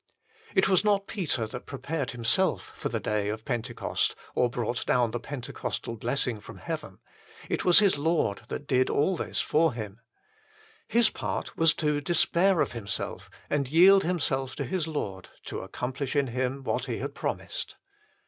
It was not Peter that prepared himself for the day of Pentecost or brought down the Pentecostal blessing from heaven ; it was his HOW THE BLESSING IS HINDERED 73 Lord that did all this for him. His part was to despair of himself and yield himself to his Lord to accomplish in him what He had promised.